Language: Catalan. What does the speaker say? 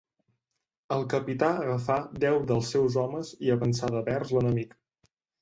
El capità agafà deu dels seus homes, i avançà devers l'enemic.